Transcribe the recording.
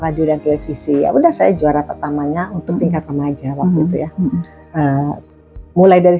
maju dan televisi ya udah saya juara pertamanya untuk tingkat remaja waktu itu ya mulai dari